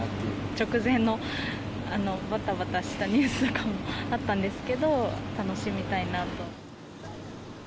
直前のばたばたしたニュースとかもあったんですけど、楽しみたいなと。